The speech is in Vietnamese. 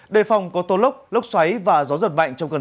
đề phòng có tôn lốc lốc xoáy và gió giật mạnh trong cơn rông